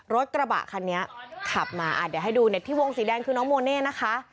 รถกระบะคันนี้ขับมาเดี๋ยวให้ดูเน็ตที่วงสีแดงคือน้องโมเน่นะคะ